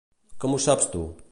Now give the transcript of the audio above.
Com ho saps tu?